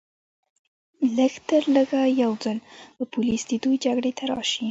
لږترلږه یو ځل به پولیس د دوی جګړې ته راشي